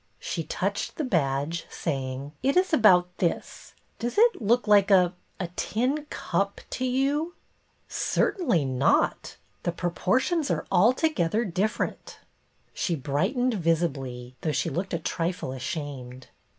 She touched the badge, saying, —" It is about this. Does it look like a — a — tin cup to you ?"" Certainly not. The proportions are alto gether different." She brightened visibly, though she looked a trifle ashamed.